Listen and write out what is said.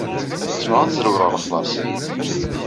Zemreɣ ad szerwreɣ lexlaṣ.